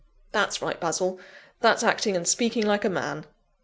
"That's right, Basil! that's acting and speaking like a man!"